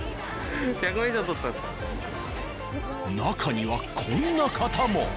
中にはこんな方も。